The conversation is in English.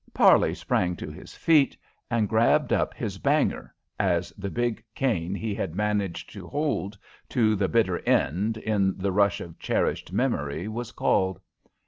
Parley sprang to his feet and grabbed up his "banger," as the big cane he had managed to hold to the bitter end in the rush of cherished memory was called.